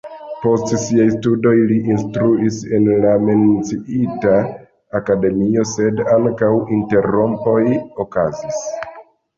Post siaj studoj li instruis en la menciita akademio, sed ankaŭ interrompoj okazis.